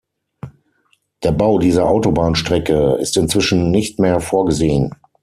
Der Bau dieser Autobahnstrecke ist inzwischen nicht mehr vorgesehen.